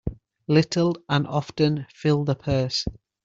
Little and often fill the purse.